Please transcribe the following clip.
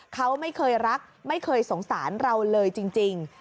เขาไม่เคยรักไม่เคยสงสารเราเลยจริง